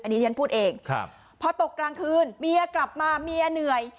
อันนี้ฉันพูดเองพอตกกลางคืนเมียกลับมาเมียเหนื่อย